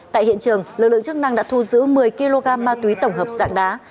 tại hiện trường lực lượng chức năng đã thu giữ một mươi kg ma túy tổng hợp dạng đá